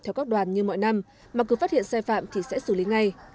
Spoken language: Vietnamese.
theo các đoàn như mọi năm mà cứ phát hiện sai phạm thì sẽ xử lý ngay